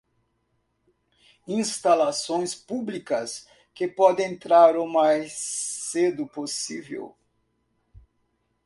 Instalações públicas que podem entrar o mais cedo possível